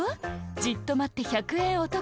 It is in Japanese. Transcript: じっとまって１００えんお得。